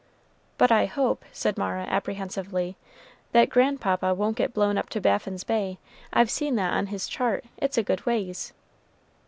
"But I hope," said Mara, apprehensively, "that grandpapa won't get blown up to Baffin's Bay. I've seen that on his chart, it's a good ways."